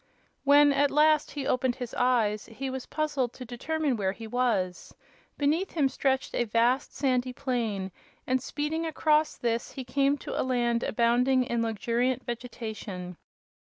When, at last, he opened his eyes, he was puzzled to determine where he was. Beneath him stretched a vast, sandy plain, and speeding across this he came to a land abounding in luxuriant vegetation.